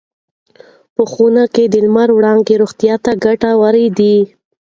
په خونه کې د لمر وړانګې روغتیا ته ګټورې دي.